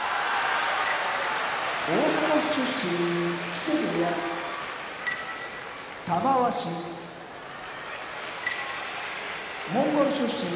大阪府出身木瀬部屋玉鷲モンゴル出身